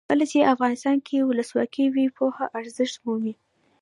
کله چې افغانستان کې ولسواکي وي پوهه ارزښت مومي.